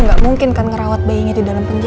dia gak mungkin kan ngerawat bayinya di dalam penjara